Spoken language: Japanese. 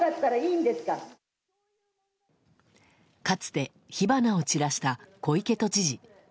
かつて火花を散らした小池都知事。